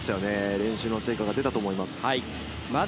練習の成果が出たと思います。